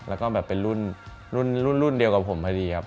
แล้วก็แบบเป็นรุ่นรุ่นเดียวกับผมพอดีครับ